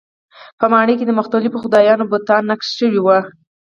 په ماڼۍ کې د مختلفو خدایانو بتان نقش شوي وو.